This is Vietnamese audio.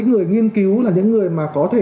người nghiên cứu là những người mà có thể